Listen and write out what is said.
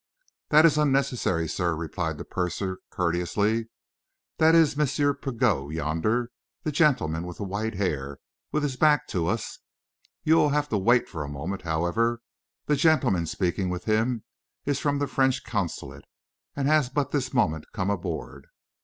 "That is unnecessary, sir," replied the purser, courteously. "That is M. Pigot yonder the gentleman with the white hair, with his back to us. You will have to wait for a moment, however; the gentleman speaking with him is from the French consulate, and has but this moment come aboard."